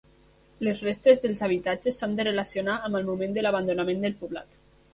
Les restes dels habitatges s'han de relacionar amb el moment de l'abandonament del poblat.